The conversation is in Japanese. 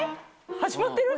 始まってる？